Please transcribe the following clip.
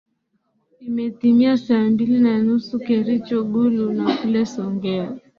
imetimia saa mbili na nusu kericho gulu na kule songea